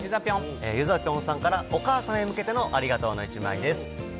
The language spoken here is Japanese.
ユザピョンさんからお母さんへ向けてのありがとうの１枚です。